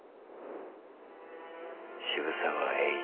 渋沢栄一。